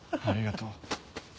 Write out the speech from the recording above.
ありがとう。